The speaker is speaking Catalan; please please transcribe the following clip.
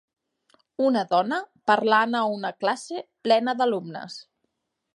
Una dona parlant a una classe plena d'alumnes.